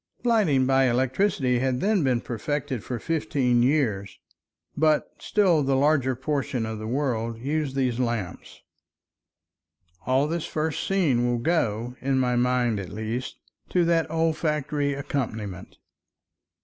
Lighting by electricity had then been perfected for fifteen years, but still the larger portion of the world used these lamps. All this first scene will go, in my mind at least, to that olfactory accompaniment.